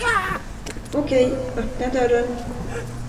Okej, öppna dörren.